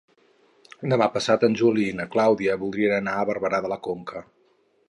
Demà passat en Juli i na Clàudia voldrien anar a Barberà de la Conca.